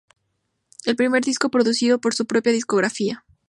El primer disco producido por su propia discográfica.